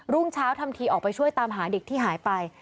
รุ่งเช้าทำทีออกไปช่วยตามหาเด็กที่หายไป